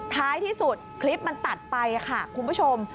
ท้ายที่สุดคลิปมันตัดไปค่ะคุณผู้ชม